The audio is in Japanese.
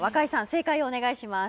正解をお願いします